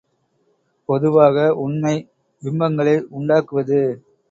பொதுவாக உண்மை பிம்பங்களை உண்டாக்குவது.